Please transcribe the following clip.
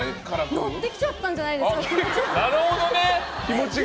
乗ってきちゃったんじゃないですか、気持ちが。